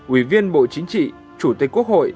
ủy viên bộ chính trị chủ tịch quốc hội